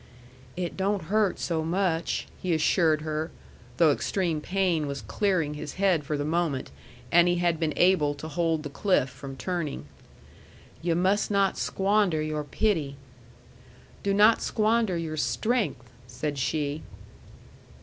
"It don't hurt so much," he assured her (though extreme pain was clearing his head for the moment, and he had been able to hold the cliff from turning). "Yu' must not squander your pity." "Do not squander your strength," said she.